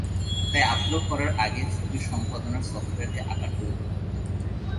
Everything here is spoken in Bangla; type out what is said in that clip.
তাই আপলোড করার আগে ছবি সম্পাদনার সফটওয়্যার দিয়ে আকার পরিবর্তন করুন।